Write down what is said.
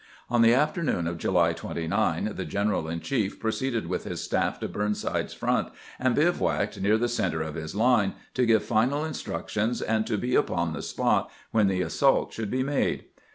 On the afternoon of July 29 the general in chief pro ceeded with his staff to Burnside's front, and bivouacked near the center of his line, to give final instructions, and 262 CAMPAIGNING WITH GEANT to be upon the spot wlien the assault should be made.